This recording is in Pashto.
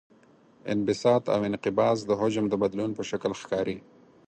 انبساط او انقباض د حجم د بدلون په شکل ښکاري.